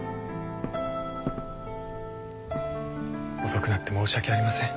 遅くなって申し訳ありません。